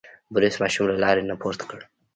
بوریس ماشوم له لارې نه پورته کړ.